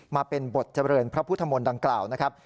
มาเป็นบทเจริญพระพุทธมนต์ดังกล่าวนะครับ